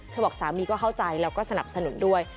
บอกสามีก็เข้าใจแล้วก็สนับสนุนด้วย